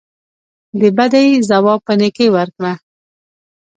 د بدۍ ځواب په نیکۍ ورکړه.